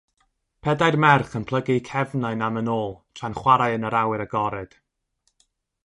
Pedair merch yn plygu'u cefnau am yn ôl tra'n chwarae yn yr awyr agored.